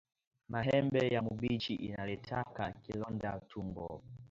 Mahembe ya mubichi inaletaka kilonda tumbo